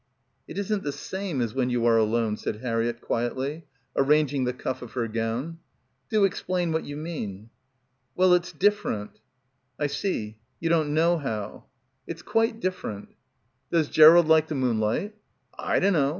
"... It isn't the same as when you are alone," said Harriett quietly, arranging the cuff of her glove. "Do explain what you mean." "Well, it's different." "I see. You don't know how." — 207 — PILGRIMAGE "It's quite different." "Does Gerald like the moonlight?" "I dunno.